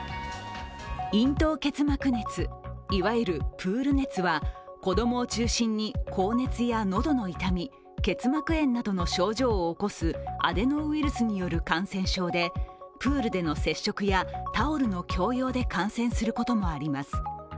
咽頭結膜熱、いわゆるプール熱は子供を中心に高熱や喉の痛み、結膜炎などの症状を起こすアデノウイルスによる感染症で、プールでの接触やタオルの共有で感染することもあります